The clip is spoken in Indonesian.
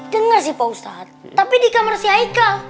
dengar sih pak ustadz tapi di kamar si aika